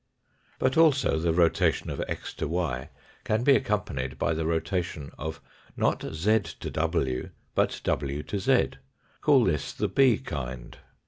But also the rotation of x to y can be accompanied by the rotation, of not z to w, but w to z. Call this the B kind.